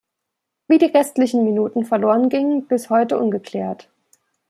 Wie die restlichen Minuten verloren gingen, ist bis heute ungeklärt.